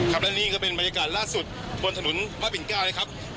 ครับและนี่ก็เป็นบรรยากาศล่าสุดบนถนนพระปิ่นเก้านะครับ